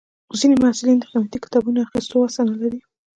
ځینې محصلین د قیمتي کتابونو اخیستو وس نه لري.